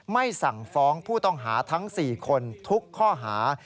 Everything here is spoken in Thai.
ไม่สั่งฟ้องผู้ต้องหาทั้ง๔คนทุกข้อหา